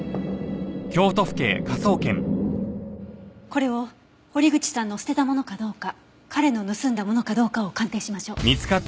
これを堀口さんの捨てたものかどうか彼の盗んだものかどうかを鑑定しましょう。